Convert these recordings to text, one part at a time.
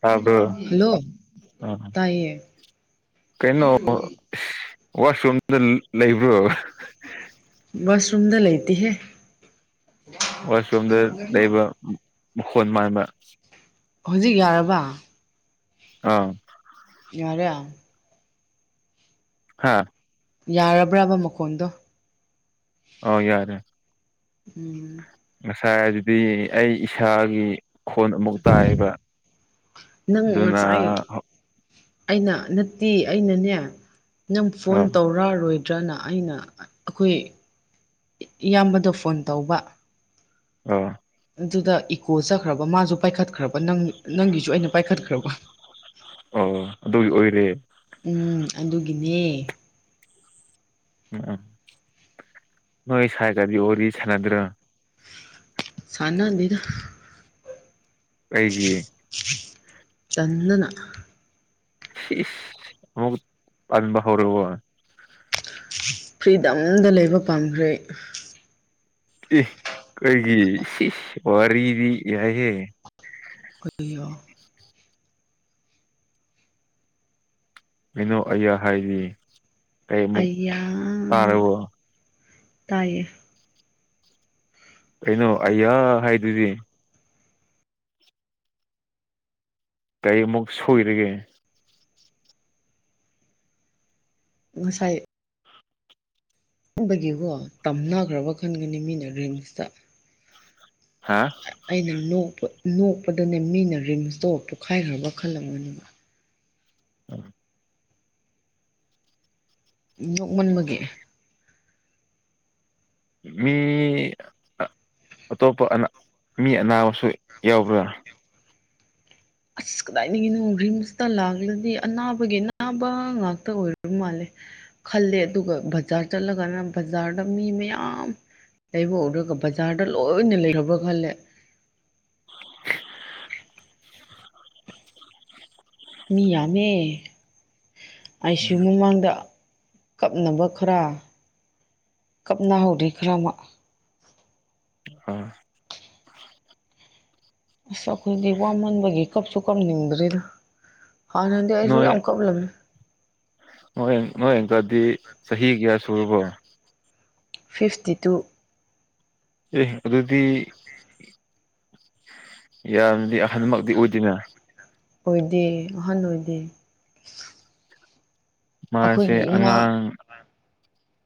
ꯇꯥꯕ꯭ꯔ ꯍꯜꯂꯣ ꯑ ꯇꯥꯏꯌꯦ ꯀꯩꯅꯣ ꯋꯥꯁꯔꯨꯝꯗ ꯂꯩꯕ꯭ꯔꯣ ꯋꯥꯁ ꯔꯨꯝꯗ ꯂꯩꯇꯦꯍꯦ ꯋꯥꯁꯔꯨꯝꯝꯗ ꯂꯩꯕ ꯃꯈꯣꯟ ꯃꯥꯟꯕ ꯍꯧꯖꯤꯛ ꯌꯥꯔꯕ ꯑꯥ ꯌꯥꯔꯦ ꯍꯥꯥ ꯌꯥꯔꯕ꯭ꯔꯕ ꯃꯈꯣꯟꯗꯣ ꯑꯥ ꯌꯥꯔꯦ ꯎꯝ ꯉꯁꯥꯏ ꯍꯥꯏꯕꯗꯤ ꯑꯩ ꯏꯁꯥꯒꯤ ꯈꯣꯟ ꯑꯃꯨꯛ ꯇꯥꯏꯌꯦꯕ ꯅꯪ ꯑꯗꯨꯅ ꯉꯁꯥꯏ ꯑꯩꯅ ꯅꯠꯇꯦ ꯑꯩꯅꯅꯦ ꯅꯪ ꯐꯣꯟ ꯑꯥ ꯇꯧꯔꯛꯑꯔꯣꯏ- ꯗꯔ꯭ ꯅ ꯑꯩꯅ ꯑꯩꯈꯣꯏ ꯏꯌꯥꯝꯕꯗ ꯐꯣꯟ ꯇꯧꯕ ꯑꯣꯥ ꯑꯗꯨꯗ ꯏꯀꯣ ꯆꯠꯈ꯭ꯔꯕ ꯃꯥꯁꯨ ꯄꯥꯏꯈꯠꯈ꯭ꯔꯕ ꯅꯪ ꯅꯪꯒꯤꯁꯨ ꯑꯩꯅ ꯄꯥꯏꯈꯠꯈ꯭ꯔꯕ ꯑꯣ ꯑꯗꯨꯒꯤ ꯑꯣꯏꯔꯦ ꯎꯝ ꯑꯗꯨꯒꯤꯅꯦ ꯎꯝ ꯅꯣꯏ ꯁꯥꯏꯒꯗꯤ ꯋꯥꯔꯤ ꯁꯥꯟꯅꯗ꯭ꯔꯣ ꯁꯥꯟꯅꯗꯦꯗ ꯀꯩꯒꯤ ꯇꯟꯗꯅ ꯏꯁ ꯑꯃꯃꯨꯛ ꯄꯥꯝꯕ ꯍꯧꯔꯕꯣ ꯐ꯭ꯔꯤꯗꯝꯗ ꯂꯩꯕ ꯄꯥꯝꯈ꯭ꯔꯦ ꯑꯩ ꯑꯦ ꯀꯩꯒꯤ ꯋꯥꯔꯤꯗꯤ ꯌꯥꯏꯍꯦ [unintelligible] ꯀꯩꯅꯣ ꯑꯩꯌꯥ ꯍꯥꯏꯗꯤ ꯀꯩꯃꯨꯛ ꯑꯩꯌꯥ ꯇꯥꯔꯕꯣ ꯇꯥꯏꯌꯦ ꯀꯩꯅꯣ ꯑꯩꯌꯥ ꯍꯥꯏꯗꯨꯗꯤ ꯀꯩ ꯑꯃꯨꯛ ꯁꯣꯏꯔꯒꯦ ꯉꯁꯥꯏ ꯈꯟꯕꯒꯤꯀꯣ ꯇꯝꯅꯈ꯭ꯔꯕ ꯈꯟꯒꯅꯤ ꯃꯤꯅ ꯔꯤꯝꯁꯇ ꯍꯥꯥ ꯑꯩꯅ ꯅꯣꯛ ꯅꯣꯛꯄꯗꯅꯦ ꯃꯤꯅ ꯔꯤꯝꯁꯇꯣ ꯄꯣꯈꯥꯏꯈ꯭ꯔꯕ ꯈꯜꯂꯝꯒꯅꯦꯕ [unintelligible] ꯅꯣꯛꯃꯟꯕꯒꯤ ꯃꯤ ꯑꯇꯣꯞꯄ ꯑ ꯃꯤ ꯑꯅꯥꯕꯨ ꯌꯥꯎꯕ꯭ꯔ ꯑꯁ ꯀꯗꯥꯏꯒꯤꯅꯣ ꯔꯤꯝꯁꯇ ꯂꯥꯛꯂꯗꯤ ꯑꯅꯥꯕꯒꯤ ꯑꯅꯥꯕ ꯉꯥꯛꯇ ꯑꯣꯏꯔꯕ ꯃꯥꯜꯂꯦ ꯈꯜꯂꯦ ꯑꯗꯨꯒ ꯕꯖꯥꯔ ꯆꯠꯂꯒꯅ ꯕꯖꯥꯔꯗ ꯃꯤ ꯃꯌꯥꯝ ꯂꯩꯕ ꯎꯔꯒ ꯕꯖꯥꯔꯗ ꯂꯣꯏꯅ ꯂꯩꯔꯕ꯭ꯔꯥ ꯈꯜꯂꯦ ꯃꯤ ꯌꯥꯝꯃꯦ ꯑꯥꯢ ꯁꯤ ꯌꯨ ꯃꯃꯥꯡꯗ ꯀꯞꯅꯕ ꯈꯔ ꯀꯞꯅꯍꯧꯔꯤ ꯈꯔ ꯑꯃ ꯑ ꯑꯁ ꯑꯩꯈꯣꯏꯗꯤ ꯋꯥꯃꯟꯕꯒꯤ ꯀꯞꯁꯨ ꯀꯞꯅꯤꯡꯗꯔ꯭ꯦ ꯗ ꯅꯍꯥꯟꯗꯤ ꯑꯩꯁꯨ ꯅꯣꯏ ꯌꯥꯝ ꯀꯥꯞꯂꯝꯃꯤ ꯅꯣꯏ ꯅꯣꯏ ꯑꯪꯀꯜꯗꯤ ꯆꯍꯤ ꯀꯌꯥ ꯁꯨꯔꯕꯣ ꯐꯤꯐꯇꯤ ꯇꯨ ꯑꯦ ꯑꯗꯨꯗꯤ ꯌꯥꯝ__ ꯑꯣꯏꯗꯦ ꯑꯍꯟ ꯑꯣꯏꯗꯦ ꯃꯥꯁꯦ ꯑꯩꯈꯣꯏꯒꯤ ꯏꯃꯥ ꯑꯉꯥꯡ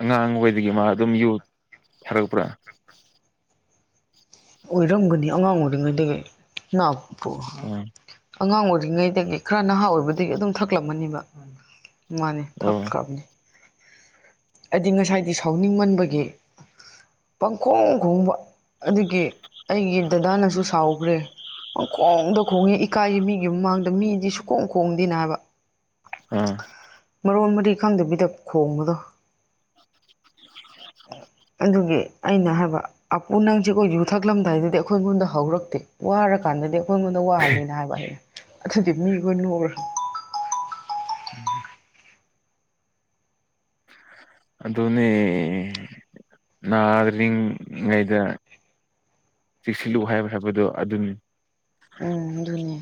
ꯑꯉꯥꯡ ꯑꯣꯏꯗꯒꯤ ꯃꯥ ꯑꯗꯨꯝ ꯌꯨꯠ__ ꯊꯥꯔꯛꯄ꯭ꯔꯥ ꯑꯣꯏꯔꯝꯒꯅꯤ ꯑꯉꯥꯡ ꯑꯣꯏꯔꯤꯉꯩꯗꯒꯤ ꯅꯥꯞꯄꯨ ꯑꯥ ꯑꯉꯥꯡ ꯑꯣꯏꯔꯤꯉꯩꯗꯒꯤ ꯈꯔ ꯅꯍꯥ ꯑꯣꯏꯕꯗꯒꯤ ꯑꯗꯨꯝ ꯊꯛꯂꯝꯃꯅꯦꯕ ꯃꯥꯅꯤ ꯑꯣ ꯊꯛꯈ꯭ꯔꯕꯅꯤ ꯑꯩꯗꯤ ꯉꯁꯥꯏꯗꯤ ꯁꯥꯎꯅꯤꯡꯃꯟꯕꯒꯤ ꯄꯥꯡꯈꯣꯡ ꯈꯣꯡꯕ ꯑꯗꯨꯒꯤ ꯑꯩꯒꯤ ꯗꯗꯥꯅꯁꯨ ꯁꯥꯎꯒ꯭ꯔꯦ ꯄꯪꯈꯣꯡꯗ ꯈꯣꯡꯉꯦ ꯏꯀꯥꯏꯌꯦ ꯃꯤꯒꯤ ꯃꯃꯥꯡꯗ ꯃꯤꯗꯤ ꯁꯨꯀꯣꯡ ꯈꯣꯡꯗꯦꯅ ꯍꯥꯏꯕ ꯑꯥ ꯃꯔꯣꯟ ꯃꯔꯤ ꯈꯪꯗꯕꯤꯗ ꯈꯣꯡꯕꯗꯣ ꯑꯗꯨꯒꯤ ꯑꯩꯅ ꯍꯥꯏꯕ ꯑꯄꯨ ꯅꯪꯁꯤꯀꯣ ꯌꯨꯊꯛꯂꯝꯗꯥꯏꯗꯗꯤ ꯑꯩꯈꯣꯏ ꯑꯩꯉꯣꯟꯗ ꯍꯧꯔꯛꯇꯦ ꯋꯥꯔꯀꯥꯟꯗꯗꯤ ꯉꯣꯟ ꯉꯣꯟꯗ ꯋꯥꯂꯦꯅ ꯍꯥꯏꯕ ꯍꯦꯛ ꯑꯗꯨꯗꯤ ꯃꯤꯈꯣꯏ ꯅꯣꯛꯔ ꯎꯝ ꯑꯗꯨꯅꯦ ꯅꯥꯔꯤꯡꯉꯩꯗ ꯆꯦꯛꯁꯤꯜꯂꯨ ꯍꯥꯏꯕ ꯍꯥꯏꯕꯗꯣ ꯑꯗꯨꯅꯤ ꯎꯝ ꯑꯗꯨꯅꯦ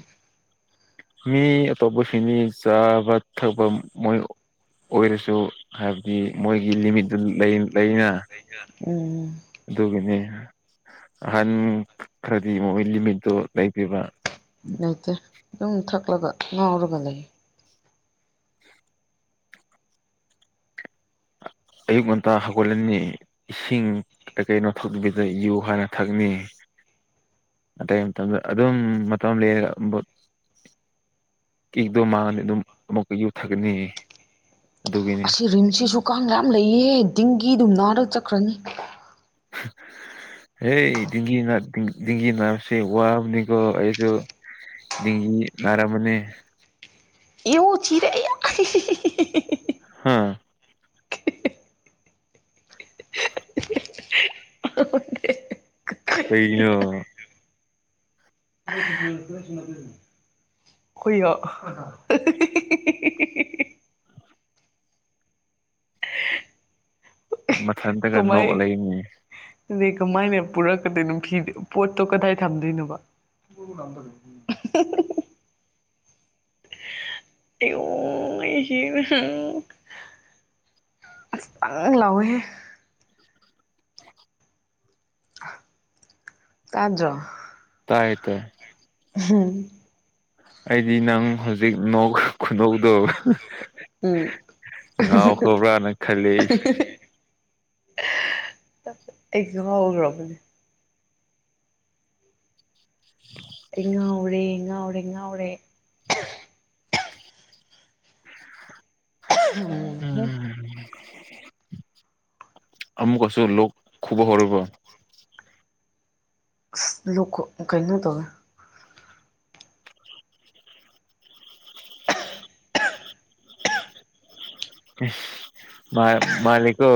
ꯃꯤ ꯑꯇꯣꯞꯄ ꯁꯤꯡꯃꯤ ꯆꯥꯕ ꯊꯛꯄ ꯃꯣꯏ__ ꯑꯣꯏꯔꯁꯨ ꯍꯥꯏꯕꯗꯤ ꯃꯣꯏꯒꯤ ꯂꯤꯃꯤꯠꯇꯨ ꯂꯩ ꯂꯩꯌꯦꯅ ꯎꯝ ꯑꯗꯨꯒꯤꯅꯦ ꯑꯍꯟ ꯈ꯭ꯔꯗꯤ ꯃꯣꯏ ꯂꯤꯃꯤꯠꯇꯨ ꯂꯩꯇꯦꯕ ꯂꯩꯇꯦ ꯑꯗꯨꯝ ꯊꯛꯂꯒ ꯉꯥꯎꯔꯒ ꯂꯩꯌꯦ ꯑꯌꯨꯛ ꯉꯟꯇꯥ ꯍꯧꯒꯠꯂꯥꯅꯤ ꯏꯁꯤꯡ ꯀꯩ ꯀꯩꯅꯣ ꯊꯛꯂꯤꯉꯩꯗ ꯌꯨ ꯍꯥꯟꯅ ꯊꯛꯅꯤ ꯑꯗꯩ ꯃꯇꯝꯗ ꯑꯗꯨꯝ ꯃꯇꯝ ꯂꯦꯛꯑꯒ ꯕꯨꯠ ꯀꯤꯛꯇꯣ ꯃꯥꯥꯡꯉꯅꯤ ꯑꯗꯨꯝ ꯑꯃꯨꯛꯀ ꯌꯨꯊꯥꯒꯅꯤ ꯑꯁꯤ ꯔꯤꯝꯁꯁꯤꯖꯨ ꯀꯥꯡ ꯌꯥꯝ ꯂꯩꯌꯦ ꯗꯤꯡꯒꯤ ꯗꯨꯝ ꯅꯥꯔ ꯆꯠꯈ꯭ꯔꯅꯤ [inaudible] ꯍꯦ ꯗꯤꯡꯒꯤꯅꯥ ꯗꯤꯡ ꯗꯤꯡꯒꯤ ꯅꯥꯕꯁꯦ ꯋꯥꯕꯅꯤꯀꯣ ꯑꯩꯁꯨ ꯗꯤꯡꯒꯤ ꯅꯔꯃꯅꯦ ꯏꯎ ꯆꯤꯔꯦ ꯑꯩꯌꯥ ꯍꯥ [unintelligible] ꯀꯩꯒꯤꯅꯣ ꯍꯨꯏꯌꯣ ꯃꯊꯟꯇꯒ ꯅꯣꯛꯑ ꯂꯩꯅꯦ ꯑꯗꯩ ꯀꯃꯥꯏꯅ ꯄꯨꯔꯛꯀꯗꯣꯏꯅꯣ ꯊꯤꯗ ꯄꯣꯠꯇꯣ ꯀꯗꯥꯏ ꯊꯝꯗꯣꯏꯅꯣ [unintelligible] ꯑꯩꯌꯣ ꯑꯩꯁꯤꯔꯦ ꯑꯁꯇꯪ ꯂꯥꯎꯋꯦꯍꯦ ꯇꯥꯖꯣ ꯇꯥꯏꯌꯦ ꯇꯥꯏ [unintelligible] ꯑꯩꯗꯤ ꯅꯪ ꯍꯧꯖꯤꯛ ꯅꯣꯛ ꯈꯨꯅꯣꯛꯗꯣ [unintelligible] ꯎꯝ ꯉꯥꯎꯈ꯭ꯔꯕ꯭ꯔꯥꯅ ꯈꯜꯂꯦ ꯑꯩ [unintelligible] ꯑꯦꯖꯨ ꯉꯥꯎꯔꯨꯔꯕꯅꯦ [inaudible] ꯑꯩ ꯉꯥꯎꯔꯦ ꯉꯥꯎꯔꯦ ꯉꯥꯎꯔꯦ ꯎꯝ ꯍꯨꯝ ꯑꯃꯨꯛꯀꯁꯨ ꯂꯣꯛ ꯈꯨꯨꯕ ꯍꯧꯔꯕ꯭ꯔꯣ ꯑꯁ ꯂꯣꯛ ꯈꯨ ꯀꯩꯅꯣ ꯇꯧꯋꯦ ꯏꯁ ꯃꯥ ꯃꯥꯂꯤꯀꯣ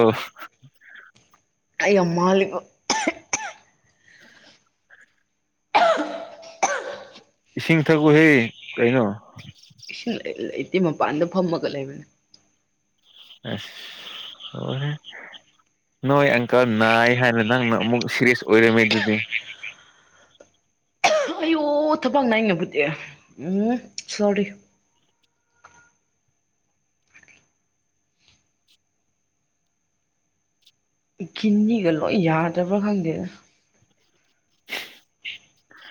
ꯑꯩ ꯌꯥꯝ ꯃꯥꯜꯂꯤꯕ ꯏꯁꯤꯡ ꯊꯛꯎꯍꯦ ꯀꯩꯅꯣ ꯏꯁꯤꯡ ꯂꯩ ꯂꯩꯇꯦ ꯃꯄꯥꯟꯗ ꯐꯝꯃꯒ ꯂꯩꯕꯅꯦ ꯑꯁ ꯂꯣꯏꯔꯦ ꯅꯣꯏ ꯑꯪꯀꯜ ꯅꯥꯏ ꯍꯥꯏꯅ ꯅꯪꯅ ꯑꯃꯨꯛ ꯁꯦꯔꯤꯌꯁ ꯑꯣꯏꯔꯝꯃꯦ ꯑꯗꯨꯗꯤ ꯑꯣ ꯊꯕꯛ ꯅꯥꯏꯅꯕꯨꯗꯤ ꯎꯝ ꯁꯣꯔꯤ ꯏꯈꯤꯟꯅꯤꯒ ꯂꯣꯏ ꯌꯥꯗꯕ꯭ꯔꯥ ꯈꯪꯗꯦꯗ [inaudible]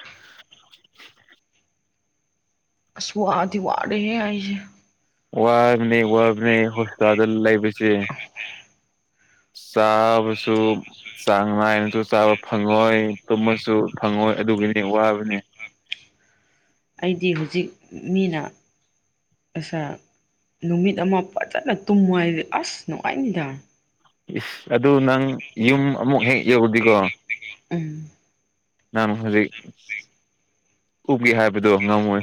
ꯑꯁ ꯋꯥꯗꯤ ꯋꯥꯔꯦꯍꯦ ꯑꯩꯖꯦ ꯋꯥꯕꯅꯦ ꯋꯥꯕꯅꯦ ꯍꯣꯁꯄꯤꯇꯥꯜꯗ ꯂꯩꯕꯁꯦ ꯆꯥꯕꯁꯨ ꯆꯥꯡ ꯅꯥꯏꯅ ꯇꯨ ꯆꯥꯕ ꯐꯪꯉꯣꯏ ꯇꯨꯝꯃꯁꯨ ꯐꯪꯉꯣꯏ ꯑꯗꯨꯒꯤꯅꯤ ꯋꯥꯕꯅꯦ ꯑꯩꯗꯤ ꯍꯨꯖꯤꯛ ꯃꯤꯅ ꯑꯁꯥ ꯅꯨꯃꯤꯠ ꯑꯃ ꯐꯖꯅ ꯇꯨꯝꯃꯣ ꯍꯥꯏꯗꯤ ꯑꯁ ꯅꯨꯡꯉꯥꯏꯅꯤꯗ ꯏꯁ ꯑꯗꯨ ꯅꯪ ꯌꯨꯝ ꯑꯃꯨꯛ ꯍꯦꯛ ꯌꯧꯔꯗꯤꯀꯣ ꯎꯝ ꯅꯪ ꯍꯨꯖꯤꯛ ꯇꯨꯝꯒꯦ ꯍꯥꯏꯕꯗꯣ ꯉꯝꯃꯣꯏ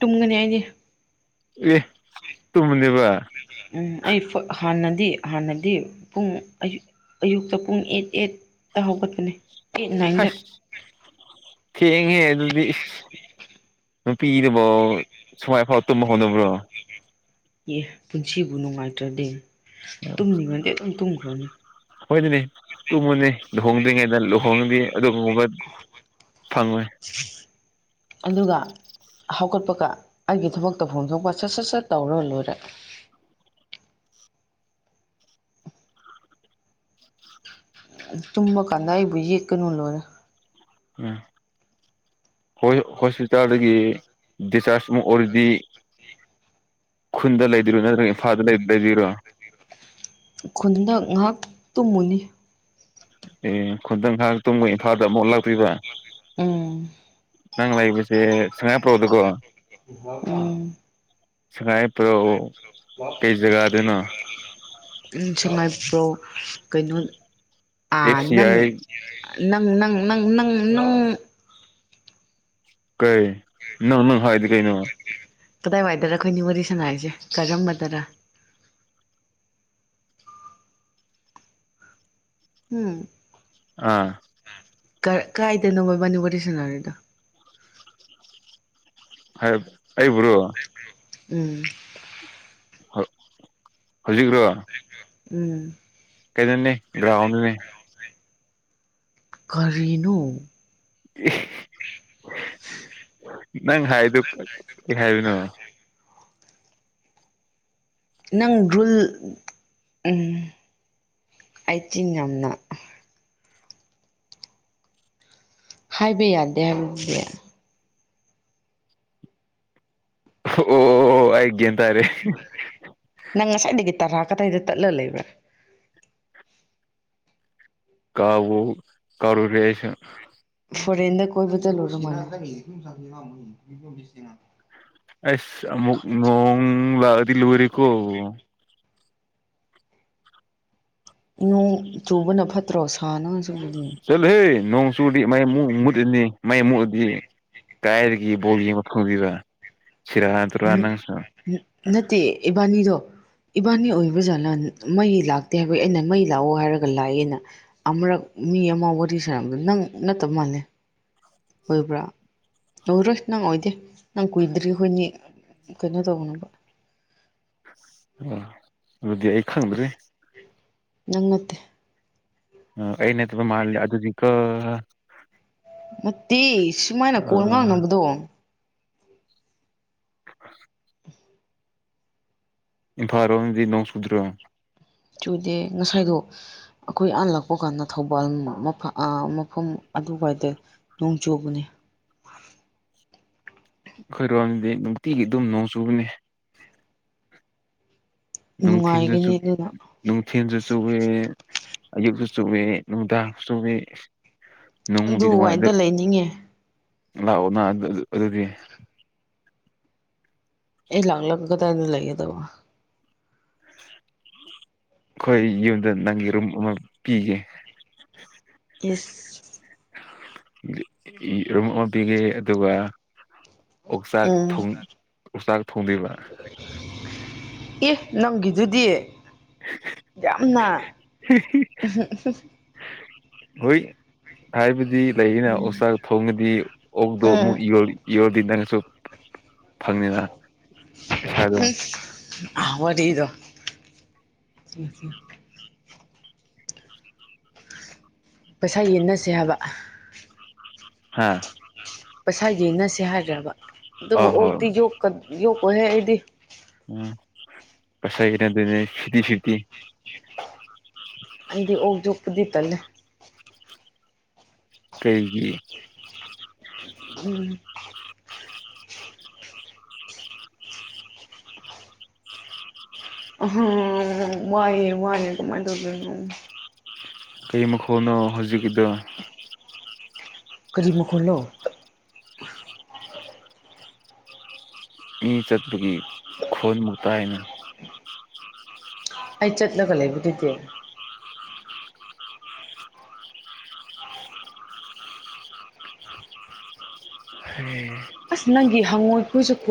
ꯇꯨꯝꯒꯅꯤ ꯑꯩꯗꯤ ꯑꯦ ꯇꯨꯝꯗꯨꯏꯕ [unintelligible] ꯎꯝ ꯑꯩ ꯐꯛ ꯍꯥꯟꯅꯗꯤ ꯍꯥꯟꯅꯗꯤ ꯄꯨꯡ ꯑꯩ ꯑꯌꯨꯛꯇ ꯄꯨꯡ ꯑꯦꯠ ꯑꯦꯠꯇ ꯍꯧꯒꯠꯄꯅꯦ ꯑꯦꯠ ꯅꯥꯏꯟꯗ ꯑꯁ ꯊꯦꯡꯉꯦ ꯑꯗꯨꯗꯤ ꯅꯨꯄꯤꯅꯕꯨ ꯁꯨꯃꯥꯏ ꯐꯥꯎ ꯇꯨꯝ ꯍꯧꯅꯕ꯭ꯔꯣ ꯑꯦ ꯄꯨꯟꯁꯤꯕꯨ ꯅꯨꯡꯉꯥꯏꯇ꯭ꯔꯗꯤ ꯇꯨꯝꯅꯤꯡꯉꯗꯤ ꯑꯗꯨꯝ ꯇꯨꯝꯈ꯭ꯔꯅꯤ ꯍꯣꯏ ꯑꯗꯨꯅꯦ ꯇꯨꯝꯃꯣꯅꯦ ꯂꯨꯍꯣꯡꯗ꯭ꯔꯤꯉꯩꯗ ꯂꯨꯍꯣꯡꯉꯗꯤ ꯑꯗꯨꯒꯨꯝꯕ ꯐꯪꯉꯣꯏ ꯑꯗꯨꯒ ꯍꯧꯒꯠꯄꯒ ꯑꯩꯒꯤ ꯊꯕꯛ ꯇꯧꯐꯝ ꯊꯣꯛꯄ ꯁꯠ ꯁꯠ ꯁꯠ ꯇꯧꯔ ꯂꯣꯏꯔꯦ ꯇꯨꯝꯕ ꯀꯥꯟꯗ ꯑꯩꯕꯨ ꯌꯦꯠꯀꯅꯨ ꯂꯣꯏꯔꯦ ꯎꯝ ꯍꯣꯏ ꯍꯣꯁꯄꯤꯇꯥꯜꯗꯒꯤ ꯗꯤꯆꯥꯔꯖ ꯃꯨꯛ ꯑꯣꯏꯔꯗꯤ ꯈꯨꯟꯗ ꯂꯩꯗꯨꯏꯔꯣ ꯅꯠꯇ꯭ꯔꯒ ꯏꯝꯐꯥꯜꯗ ꯂꯩꯗꯕꯤꯔꯣ ꯈꯨꯟꯗ ꯉꯍꯥꯛ ꯇꯨꯝꯃꯨꯅꯤ ꯑꯦ ꯈꯨꯟꯗ ꯉꯍꯥꯛ ꯇꯨꯝꯃꯒ ꯏꯝꯐꯥꯜꯗ ꯑꯃꯨꯛ ꯂꯥꯛꯇꯨꯏꯕ ꯎꯝ ꯅꯪ ꯂꯩꯕꯁꯦ ꯁꯉꯥꯏ ꯄ꯭ꯔꯧꯗꯀꯣ꯫ ꯍ ꯁꯉꯥꯏ ꯄ꯭ꯔꯧ ꯀꯩ ꯖꯒꯥꯗꯅꯣ꯫ ꯁꯉꯥꯏꯄ꯭ꯔꯧ ꯀꯩꯅꯣ ꯑꯥ ꯑꯦꯐ ꯁꯤ ꯅꯪ ꯑꯥꯏ ꯅꯪ ꯅꯪ ꯅꯪ ꯅꯪ ꯀꯩ ꯅꯪ ꯅꯪ ꯍꯥꯏꯗꯤ ꯀꯩꯩꯅꫭ꯫ ꯀꯗꯥꯏꯋꯥꯏꯗꯔ ꯑꯈꯣꯏ ꯅꯤ ꯋꯥꯔꯤ ꯁꯅꯥꯏꯁꯦ ꯀꯔꯝꯕꯗꯔ꯫ ꯎꯝ [inaudible] ꯀꯥꯏꯗꯅꯣꯕ ꯏꯕꯥꯅꯤ ꯋꯥꯔꯤ ꯁꯅꯔꯤꯗꯣ꯫ ꯍꯥꯏ ꯑꯩꯕꯨꯔꯣ꯫ ꯎꯝ ꯍꫭ ꯍꯧꯖꯤꯛꯔꯣ꯫ ꯎꯝ ꯀꯩꯗꯅꯦ ꯒ꯭ꯔꯥꯎꯟꯗꯅꯦ꯫ ꯀꯔꯤꯅꫭ꯫ [unintelligible] ꯅꯪ ꯍꯥꯏꯗꯨ ꯀꯩ ꯍꯥꯏꯕꯅꯣ꯫ ꯅꯪ ꯔꯨꯜ ꯑꯩ ꯆꯤꯟ ꯌꯥꯝꯅ ꯍꯥꯏꯕ ꯌꯥꯗꯦ ꯍꯥꯏꯕꯗꯨꯗꯤ꯫ ꯑꯣ ꯑꯩ ꯒ꯭ꯌꯥꯟ ꯇꯥꯔꯦ꯫ ꯅꯪ ꯉꯁꯥꯏꯗꯒꯤ ꯇꯔꯥ ꯀꯗꯥꯏꯗ ꯇꯠꯂ ꯂꯩꯕ꯭ꯔꯥ꯫ ꯀꯥꯎ ꯀꯥꯔꯨꯔꯦ ꯑꯩꯁꯨ꯫ ꯐꯣꯔꯦꯟꯗ ꯀꯣꯏꯕ ꯆꯠꯂꯨꯔ ꯃꯥꯜꯂꯦ [inaudible] ꯑꯁ ꯑꯃꯨꯛ ꯅꯣꯡ ꯂꯥꯛꯑꯗꯤ ꯂꯨꯔꯦꯀꯣ꯫ ꯅꫭꯡ ꯆꯨꯕꯅ ꯐꯠꯇ꯭ꯔꯣ [inaudible] ꯆꯠꯂꯍꯦ ꯅꯣꯡ ꯆꯨꯔꯗꯤ ꯃꯩ ꯑꯃꯨꯛ ꯃꯨꯠꯔꯅꯤ ꯃꯩ ꯃꯨꯛꯑꯗꯤ ꯀꯥꯏꯗꯒꯤ ꯕꯣꯜ ꯌꯦꯡꯕ ꯐꯪꯒꯤꯕ ꯁꯤꯔꯥꯟ ꯇꯨꯔꯥꯟ ꯅꯪꯁꯨ꯫ ꯅꯠꯇꯦ ꯏꯕꯥꯅꯤꯗꯣ꯫ ꯏꯕꯥꯅꯤ ꯑꯣꯏꯕ ꯖꯥꯠꯂ ꯃꯩ ꯂꯥꯛꯇꯦ ꯍꯥꯏꯕ ꯑꯩꯅ ꯃꯩ ꯂꯥꯛꯑꯣ ꯍꯥꯏꯔꯒ ꯂꯥꯛꯑꯦꯅ꯫ ꯑꯃꯨꯔꯛ ꯃꯤ ꯑꯃ ꯋꯥꯔꯤ ꯁꯥꯅꯕꯗ ꯅꯪ ꯅꯠꯇꯕ ꯃꯥꯜꯂꯦ꯫ ꯑꯣꯏꯕ꯭ꯔꯥ ꯑꯣꯏꯔꯣꯏ ꯅꯪ ꯑꯣꯏꯗꯦ ꯅꯪ ꯀꯨꯏꯗ꯭ꯔꯤ ꯈꯣꯏꯅꯤ ꯀꯩꯅꯣ ꯇꯧꯅꯕ꯫ ꯑꯗꯨꯗꯤ ꯑꯩ ꯈꯪꯗ꯭ꯔꯤ꯫ ꯅꯪ ꯅꯠꯇꯦ꯫ ꯑ ꯑꯩ ꯅꯠꯇꯕ ꯃꯥꯜꯂꯦ ꯑꯗꯨꯗꯤꯀꫭ꯫ ꯅꯠꯇꯦ ꯁꯨꯃꯥꯏꯅ ꯑ ꯀꯣꯜ ꯉꯥꯡꯅꯕꯗꯣ꯫ [inaudible] ꯏꯝꯐꯥꯔꫭꯝꯗꯤ ꯅꯣꯡ ꯆꯨꯗ꯭ꯔꯣ꯫ ꯆꯨꯗꯦ ꯉꯁꯥꯏꯗꯣ ꯑꯈꯣꯏ ꯑꯥ ꯂꯛꯄ ꯀꯥꯟꯗ ꯊꯧꯕꯥꯜ ꯃꯐꯝ ꯑ ꯃꯐꯝ ꯑꯗꯨ ꯋꯥꯏꯗ ꯅꯣꯡ ꯆꯨꯕꯅꯤ꯫ ꯈꯣꯏꯔꯣꯝꯗꯗꯤ ꯅꯨꯡꯇꯤꯒꯤ ꯑꯗꯨꯝ ꯅꯣꯡ ꯆꯨꯕꯅꯦ꯫ ꯅꯨꯡꯊꯤꯟꯗꯁꯨ꯫ ꯅꯨꯡꯉꯥꯏꯒꯅꯤ ꯑꯗꯨꯅ ꯅꯨꯡꯊꯤꯟꯁꯨ ꯆꯨꯋꯦ ꯑꯌꯨꯛꯁꯨ ꯆꯋꯦ ꯅꯨꯡꯗꯥꯡꯁꯨ ꯆꯨꯋꯦ꯫ ꯅꯨꯡꯕꯨꯗꯤ ꯅꯨꯡꯉꯥꯏ ꯑꯗꯨꯋꯥꯏꯗ ꯑꯗꫭ ꯂꯩꯅꯤꯡꯉꯦ ꯂꯥꯛꯑꯣ ꯅꯥ ꯑꯗꯨꯗꯤ꯫ ꯑꯩ ꯂꯥꯛꯂꯒ ꯀꯗꯥꯏꯗ ꯂꯩꯒꯗꯕ꯫ ꯑꯩꯈꯣꯏ ꯌꯨꯝꯗ ꯅꯪꯒꯤ ꯔꯨꯝ ꯑꯃ ꯄꯤꯒꯦ ꯏꯁ ꯔꯨꯝ ꯑꯃ ꯄꯤꯒꯦ ꯑꯗꯨꯒ ꯑꯣꯛꯆꯥꯛ ꯎꯝ ꯊꯣꯡ ꯑꯣꯛꯆꯥꯛ ꯊꯣꯡꯗꯣꯏꯕ ꯑꯦ ꯅꯪꯒꯤꯗꯨꯗꯤ ꯌꯥꯝꯅ [unintelligible] ꯍꯣꯏ ꯍꯥꯏꯕꯗꯤ ꯂꯩꯌꯦꯅ ꯑꯣꯆꯥꯛ ꯊꯣꯡꯉꯗꯤ ꯑꯣꯛꯇꯣ ꯎꯝ ꯑꯃꯨꯛ ꯌꯣꯜꯂꯤ ꯌꯣꯜꯂꯗꯤ ꯅꯪꯁꯨ ꯐꯪꯅꯤꯅ ꯄꯩꯁꯥꯗꯣ ꯑ ꯋꯥꯔꯤꯗꯣ ꯄꯩꯁꯥ ꯌꯦꯟꯅꯁꯦ ꯍꯥꯏꯕ ꯍꯥꯥ ꯄꯩꯁꯥ ꯌꯦꯟꯅꯁꯦ ꯍꯥꯏꯔꯕ ꯑꯗꯨꯕꯨ ꯑꯧ ꯑꯣꯛꯇꯤ ꯍꯣꯏ ꯌꯣꯛ ꯌꯣꯛꯑꯣꯢꯍꯦ ꯑꯩꯗꯤ ꯎꯝ ꯄꯩꯁꯥꯏꯒꯤ ꯅꯠꯇꯦꯗ ꯁꯤꯒꯤꯁꯤꯗꯤ ꯑꯩꯗꯤ ꯑꯣꯛ ꯌꯣꯛꯄꯗꯤ ꯇꯜꯂꯦ ꯀꯩꯒꯤ [inaudible] ꯎꯝ [inaudible] ꯍꯝ ꯋꯥꯏꯑꯦ ꯋꯥꯏꯑꯦ ꯀꯃꯥꯏꯅ ꯇꯧꯗꯣꯏꯅꯣ ꯀꯔꯤ ꯃꯈꯣꯜꯅꯣ ꯍꯧꯖꯤꯛꯀꯤꯗꯣ ꯀꯔꯤ ꯃꯈꯣꯜꯂꯣ ꯃꯤ ꯆꯠꯄꯒꯤ ꯈꯣꯟꯃꯨꯛ ꯇꯥꯏꯅ [inaudible] ꯑꯩ ꯆꯠꯂꯒ ꯂꯩꯕꯗꯨꯒꯤ [inaudible] ꯍꯩ ꯑꯁ ꯅꯪꯒꯤ ꯍꯪꯉꯣꯏ [inaudible]